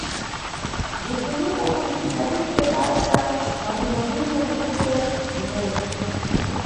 Bzinʼfunika kuti tiphatise basa mwa bwinobwino mbuto zimwezi.